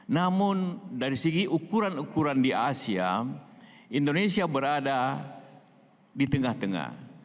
namun dari segi ukuran ukuran di asia indonesia berada di tengah tengah